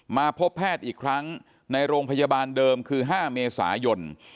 มาพบแพทย์อีกครั้งในโรงพยาบาลเดิมคือ๕เมษายน